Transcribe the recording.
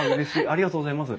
ありがとうございます。